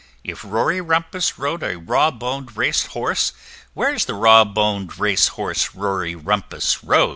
If Rory Rumpus rode a raw bon'd Race horse, Where's the raw bon'd Race horse Rory Rumpus rode?